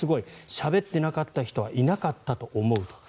しゃべってなかった人はいなかったと思うと。